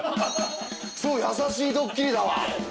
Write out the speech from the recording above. そう優しいドッキリだわ。